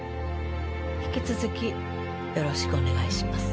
引き続きよろしくお願いします